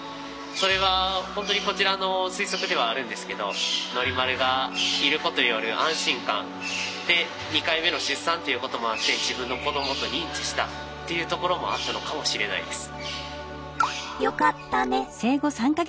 それは本当にこちらの推測ではあるんですけどノリマルがいることによる安心感で２回目の出産っていうこともあって自分の子どもと認知したっていうところもあったのかもしれないです。